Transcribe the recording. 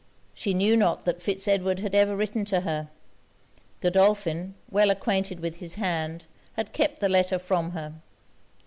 She knew not that Fitz Edward had ever written to her. Godolphin, well acquainted with his hand, had kept the letter from her.